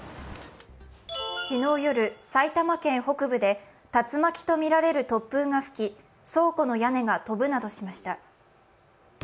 昨日夜、埼玉県北部で竜巻とみられる突風が吹き倉庫の屋根が飛ぶなどしました。